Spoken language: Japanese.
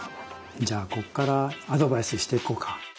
じゃあこっからアドバイスしていこうか。